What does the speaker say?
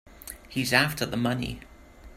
He's after the money.